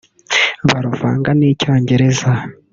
baruvanga n’Icyongereza